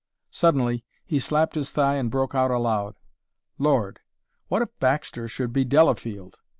Suddenly he slapped his thigh and broke out aloud: "Lord! what if Baxter should be Delafield!